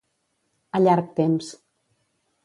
A llarg temps.